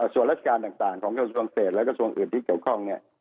ส่วนรัชการต่างของส่วนเศษและส่วนอื่นที่เกี่ยวข้อง